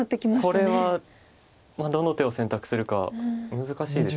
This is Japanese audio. これはどの手を選択するか難しいです。